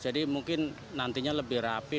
jadi mungkin nantinya lebih rapi